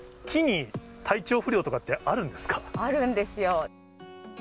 木に体調不良とかってあるんあるんですよ。